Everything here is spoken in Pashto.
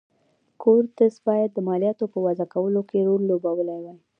کورتس باید د مالیاتو په وضعه کولو کې رول لوبولی وای.